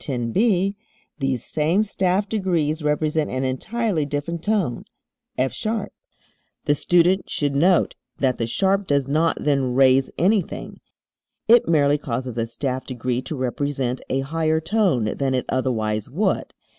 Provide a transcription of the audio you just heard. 10 (b) these same staff degrees represent an entirely different tone F[sharp]. The student should note that the sharp does not then raise anything; it merely causes a staff degree to represent a higher tone than it otherwise would.